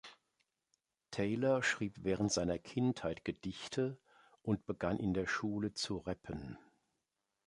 Taylor schrieb während seiner Kindheit Gedichte und begann in der Schule zu rappen.